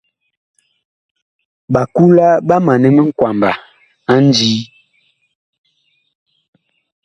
Ɓakula ɓa manɛ minkwaba a ndii.